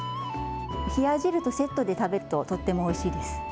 冷や汁とセットで食べると、とってもおいしいです。